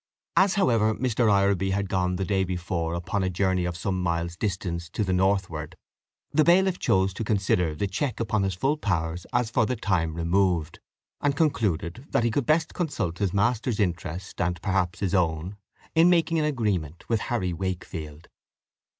As, however, Mr. Ireby had gone the day before upon a journey of some miles' distance to the northward, the bailiff chose to consider the check upon his full powers as for the time removed, and concluded that he should best consult his master's interest, and perhaps his own, in making an agreement with Harry Wakefield.